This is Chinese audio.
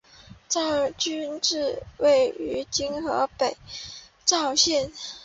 赵郡治所位于今河北赵县。